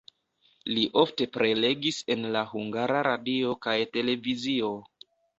Li ofte prelegis en la Hungara Radio kaj televizio.